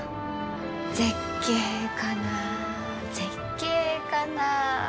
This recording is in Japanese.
「絶景かな絶景かな」。